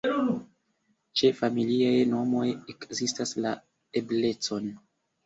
Ĉe familiaj nomoj ekzistas la eblecon.